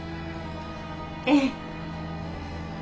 ええ。